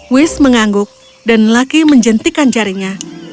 wis mengangguk dan lelaki menjentikan jarinya